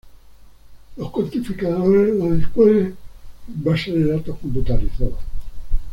Los "cuantificadores" los disponen en bases de datos computarizadas.